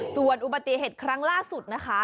ส่วนอุบัติเหตุครั้งล่าสุดนะคะ